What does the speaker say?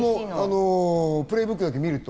プレイブックだけ見ると。